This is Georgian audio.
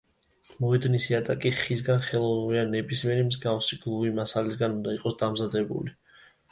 მოედნის იატაკი ხისგან, ხელოვნური ან ნებისმიერი მსგავსი გლუვი მასალისგან უნდა იყოს დამზადებული.